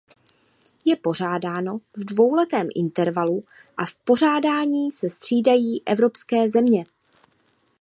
Je pořádáno v dvouletém intervalu a v pořádání se střídají evropské země.